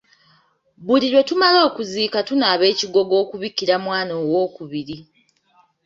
Buli lwe tumala okuziika tunaaba ekigogo okubikira mwana owookubiri.